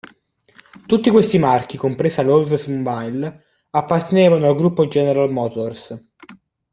Tutti questi marchi, compresa l'Oldsmobile, appartenevano al gruppo General Motors.